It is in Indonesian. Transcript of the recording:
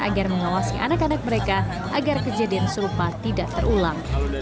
agar mengawasi anak anak mereka agar kejadian serupa tidak terulang